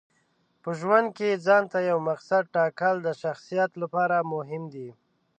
په ژوند کې ځانته یو مقصد ټاکل د شخصیت لپاره مهم دي.